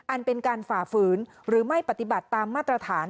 อันเป็นการฝ่าฝืนหรือไม่ปฏิบัติตามมาตรฐาน